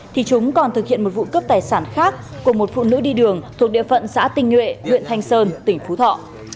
thì chúng còn thực hiện một vụ cướp tài sản khác của một phụ nữ đi đường thuộc địa phận xã tinh nhuệ huyện thanh sơn tỉnh phú thọ